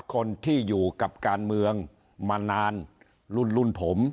คนที่อยู่กับการเมืองมานานรุ่นรุ่นผม